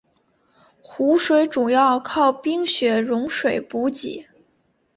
湖水主要靠冰雪融水补给。